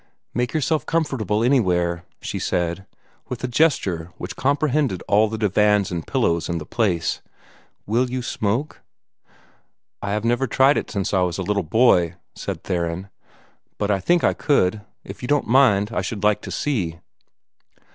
"Make yourself comfortable anywhere," she said, with a gesture which comprehended all the divans and pillows in the place. "Will you smoke?" "I have never tried since I was a little boy," said Theron, "but I think I could. If you don't mind, I should like to see."